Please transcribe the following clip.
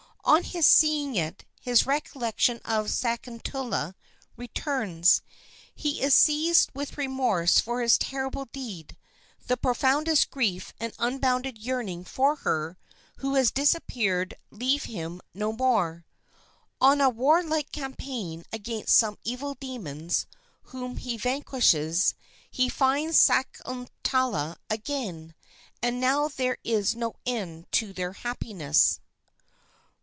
On his seeing it, his recollection of Sakuntala returns. He is seized with remorse for his terrible deed; the profoundest grief and unbounded yearning for her who has disappeared leave him no more. "On a warlike campaign against some evil demons, whom he vanquishes, he finds Sakuntala again, and now there is no end to their happiness."